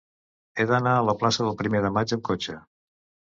He d'anar a la plaça del Primer de Maig amb cotxe.